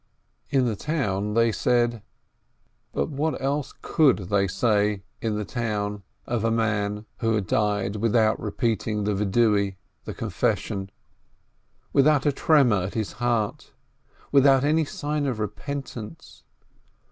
In the town they — but what else could they say in the town of a man who had died without repeating the Confession, without a tremor at his heart, without any sign of repentance?